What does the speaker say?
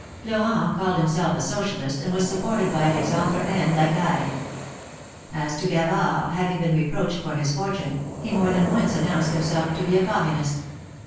Florent called himself a Socialist, and was supported by Alexandre and Lacaille. As to Gavard, having been reproached for his fortune, he more than once announced himself to be a Communist.